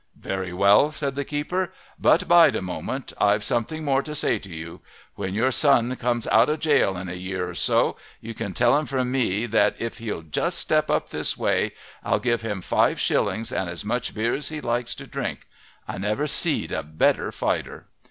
"Very well," said the keeper. "But bide a moment I've something more to say to you. When your son comes out of jail in a year or so you tell him from me that if he'll just step up this way I'll give him five shillings and as much beer as he likes to drink. I never see'd a better fighter!"